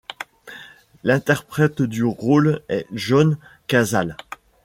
L'interprète du rôle est John Cazale.